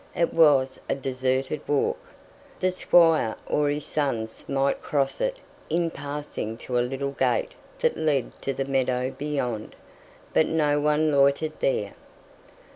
It was a deserted walk. The squire or his sons might cross it in passing to a little gate that led to the meadow beyond; but no one loitered there.